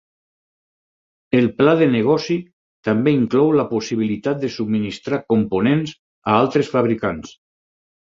El pla de negoci també inclou la possibilitat de subministrar components a altres fabricants.